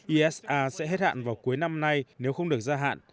isa sẽ hết hạn vào cuối năm nay nếu không được gia hạn